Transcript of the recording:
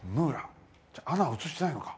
じゃあアナは映してないのか。